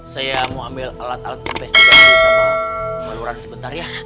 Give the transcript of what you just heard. saya mau ambil alat alat investigasi sama saluran sebentar ya